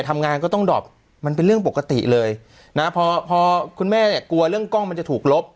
ทำงานก็ต้องดอบมันเป็นเรื่องปกติเลยนะพอพอคุณแม่เนี่ยกลัวเรื่องกล้องมันจะถูกลบ